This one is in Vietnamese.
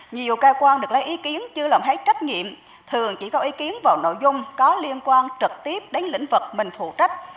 nhiều cơ quan được lấy ý kiến chưa làm hết trách nhiệm thường chỉ có ý kiến vào nội dung có liên quan trực tiếp đến lĩnh vực mình phụ trách